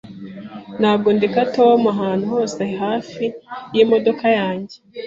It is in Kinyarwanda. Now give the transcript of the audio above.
Ntabwo ndeka Tom ahantu hose hafi yimodoka yanjye.